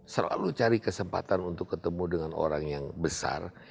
selalu cari kesempatan untuk ketemu dengan orang yang besar